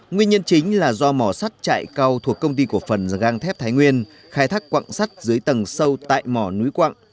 nguyên nhân chính là do mỏ sắt chạy cao thuộc công ty của phần răng thép thái nguyên khai thác quặng sắt dưới tầng sâu tại mỏ núi quặng